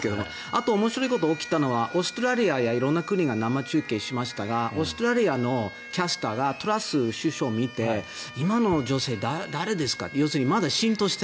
あと、面白いことが起きたのはオーストラリアや色んな国が生中継しましたがオーストラリアのキャスターがトラス首相を見て今の女性、誰ですか？